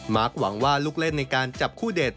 หวังว่าลูกเล่นในการจับคู่เด็ด